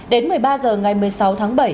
đến một mươi ba h ngày một mươi sáu tháng bảy